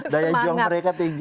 daya juang mereka tinggi